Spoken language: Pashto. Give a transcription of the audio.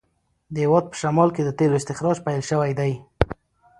د هیواد په شمال کې د تېلو استخراج پیل شوی دی.